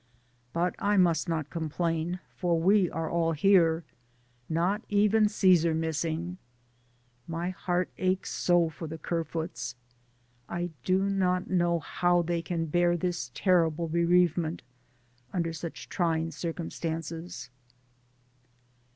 But I must not complain, for we are all here, not even Caesar missing. My heart aches so for the Kerfoots. I do not know how they can bear this terrible bereavement under such trying circumstances.